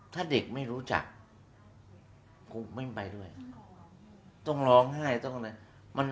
ถ้าเด็กไม่รู้จักครูไม่ไปด้วยต้องร้องไห้ต้องอะไร